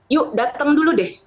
yuk datang dulu deh